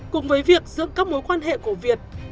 cùng với việc giữ các mối quan hệ của việt